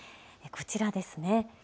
こちらですね。